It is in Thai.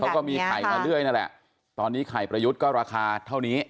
เขาก็มีไข่มาเรื่อยนั่นแหละตอนนี้ไข่ประยุทธ์ก็ราคาเท่านี้